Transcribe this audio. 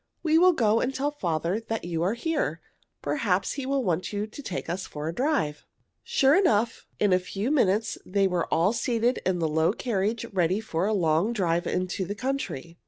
"We will go and tell father that you are here. Perhaps he will want you to take us for a drive." Sure enough, in a few minutes they were all seated in the low carriage ready for a long drive into the country.